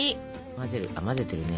混ぜてるね。